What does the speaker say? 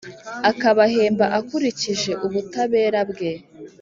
akabahemba akurikije ubutabera bwe.